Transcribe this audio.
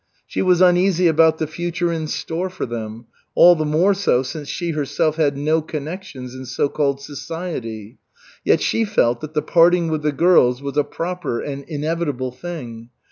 She was uneasy about the future in store for them; all the more so since she herself had no connections in so called "society." Yet she felt that the parting with the girls was a proper and inevitable thing.